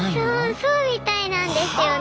そうみたいなんですよね。